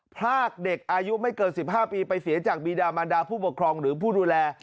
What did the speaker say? พรากเด็กอายุไม่เกิน๑๕ปีไปเสียจากบีดามันดาผู้ปกครองหรือผู้ดูแล